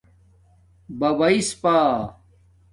ببایس پا